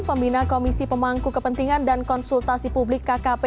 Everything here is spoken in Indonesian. pembina komisi pemangku kepentingan dan konsultasi publik kkp